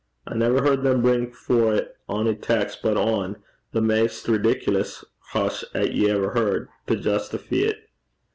I never heard them bring foret ony text but ane the maist ridiculous hash 'at ever ye heard to justifee 't.'